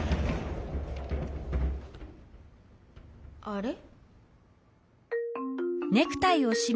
あれ？